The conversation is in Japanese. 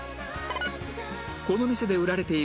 この店で売られている